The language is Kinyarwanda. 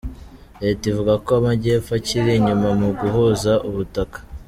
Leta ivuga ko Amajyepfo akiri inyuma mu guhuza ubutaka